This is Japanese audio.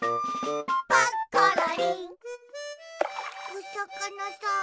おさかなさん。